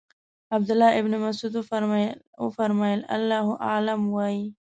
عبدالله ابن مسعود وفرمایل الله اعلم وایئ.